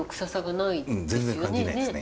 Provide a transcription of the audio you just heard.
全然感じないですね。